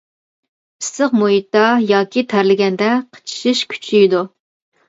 ئىسسىق مۇھىتتا ياكى تەرلىگەندە قىچىشىش كۈچىيىدۇ.